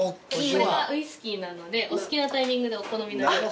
これはウイスキーなのでお好きなタイミングでお好みの。